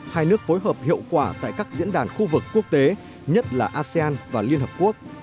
hai nước phối hợp hiệu quả tại các diễn đàn khu vực quốc tế nhất là asean và liên hợp quốc